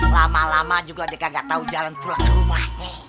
lama lama juga dia kagak tahu jalan pulang ke rumahnya